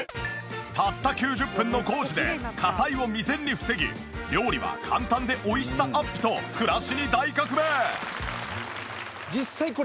たった９０分の工事で火災を未然に防ぎ料理は簡単で美味しさアップと暮らしに大革命！